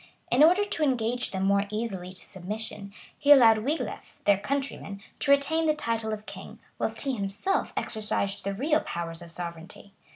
In order to engage them more easily to submission, he allowed Wiglef, their countryman, to retain the title of king, whilst he himself exercised the real powers of sovereignty.